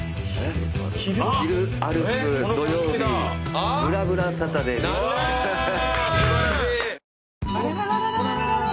昼歩く土曜日『ぶらぶらサタデー』素晴らしい！